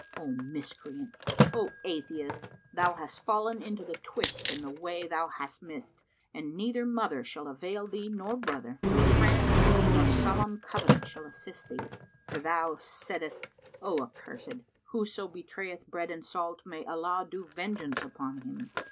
O miscreant, O atheist,[FN#46] thou hast fallen into the twist and the way thou hast missed; and neither mother shall avail thee nor brother, nor friend nor solemn covenant shall assist thee; for thou saidst, O accursed, Whoso betrayeth bread and salt, may Allah do vengeance upon him!